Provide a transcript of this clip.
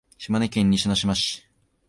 島根県西ノ島町